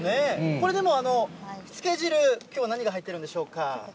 これ、でも、つけ汁、きょう、何が入ってるんでしょうか。